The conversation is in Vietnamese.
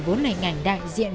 vốn là ngành đại diện